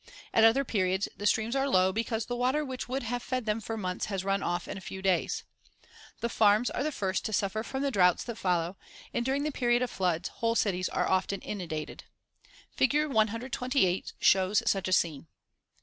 At other periods the streams are low because the water which would have fed them for months has run off in a few days. The farms are the first to suffer from the drouths that follow and, during the period of floods, whole cities are often inundated. Fig. 128 shows such a scene.